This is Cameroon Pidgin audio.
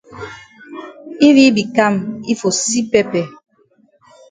If yi be kam yi for see pepper.